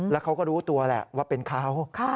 แล้วเขาก็รู้ตัวแหละว่าเป็นเขา